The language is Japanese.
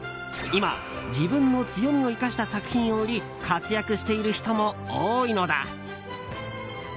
今、自分の強みを生かした作品を売り活躍している人も多いのだ。